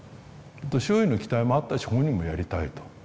周囲の期待もあったし本人もやりたいと。